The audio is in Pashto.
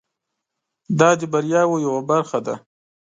دا د بریاوو یوه برخه ده.